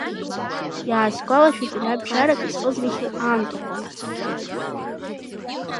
Иаасгәалашәеит ари абжьарак исхызгахьоу аамҭақәа.